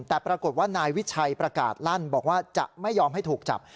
แต่ปรากฏว่านายวิชัยประกาศลั่นบอกว่าจะไม่ยอมให้ถูกจับ